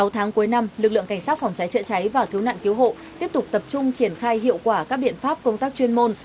sáu tháng cuối năm lực lượng cảnh sát phòng cháy chữa cháy và cứu nạn cứu hộ tiếp tục tập trung triển khai hiệu quả các biện pháp công tác chuyên môn